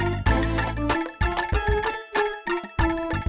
aku juga bakal bakal bustu